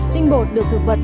tinh bột được thực vật